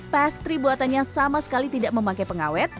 pastry buatannya sama sekali tidak memakai pengawet